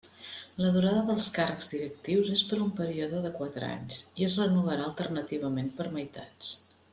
La durada dels càrrecs directius és per un període de quatre anys, i es renovarà alternativament per meitats.